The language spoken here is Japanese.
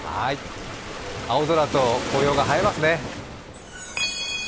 青空と紅葉が映えますね。